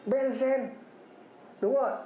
benzene đúng không ạ